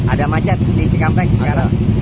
ada macet di cikampek sekarang